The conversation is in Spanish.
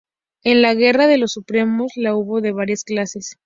En la guerra de los Supremos la hubo de varias clases.